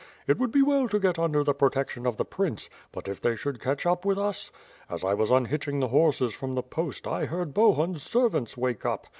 It would be well to get under the protection of the prince, but if they should catch up with us! As I was unhitching the horses from the post, I heard Bohun's servants wake up.